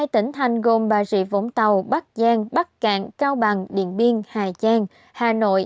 hai mươi hai tỉnh thành gồm bà rị vũng tàu bắc giang bắc cạn cao bằng điện biên hà giang hà nội